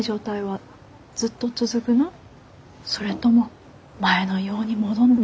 それとも前のように戻んの？